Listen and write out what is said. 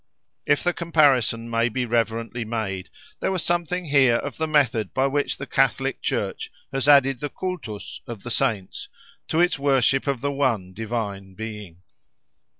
If the comparison may be reverently made, there was something here of the method by which the catholic church has added the cultus of the saints to its worship of the one Divine Being.